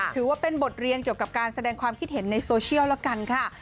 ถือว่าเป็นบทเรียนเกี่ยวกับการแสดงความคิดเห็นในโซเชียลแล้วกันค่ะ